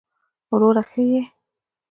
وروره ښه يې!